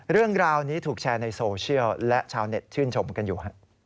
เรื่องราวนี้ถูกแชร์ในโซเชียลและชาวเน็ตชื่นชมกันอยู่